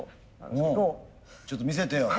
ちょっと見せてよ。